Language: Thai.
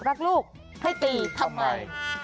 รักลูกให้ตีทำไม